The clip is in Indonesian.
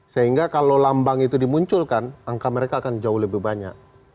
sehingga kalau lambang itu dimunculkan angka mereka akan jauh lebih banyak